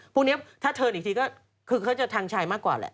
พรุ่งนี้ถ้าเทินอีกทีก็คือเขาจะทางชายมากกว่าแหละ